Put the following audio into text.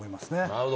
なるほど。